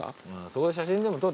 そこで写真でも撮る？